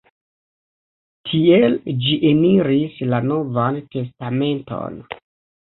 Tiel ĝi eniris la Novan Testamenton.